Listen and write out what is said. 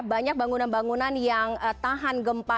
banyak bangunan bangunan yang tahan gempa